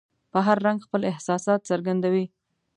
په هر رنګ خپل احساسات څرګندوي.